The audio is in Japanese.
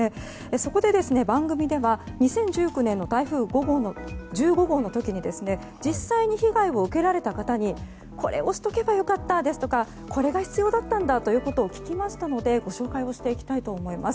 そこで、番組では２０１９年の台風１５号の時に実際に被害を受けられた方にこれをしとけば良かったですとかこれが必要だったんだということを聞きましたのでご紹介をしていきたいと思います。